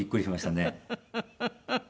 フフフフ！